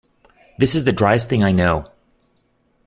This is the driest thing I know.